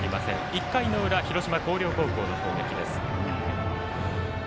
１回の裏広島・広陵高校の攻撃です。